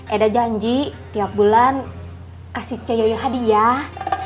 eda janji tiap bulan kasih coyoyoh hadiah